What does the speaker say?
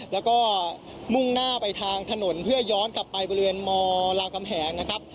แล้วก็มุ่งหน้าไปทางถนนเพื่อย้อนกลับไปบริเวณมรามกำแหงนะครับ